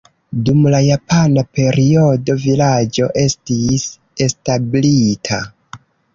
Dum la japana periodo vilaĝo estis establita.